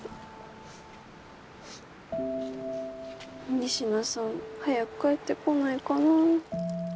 仁科さん早く帰ってこないかなぁ。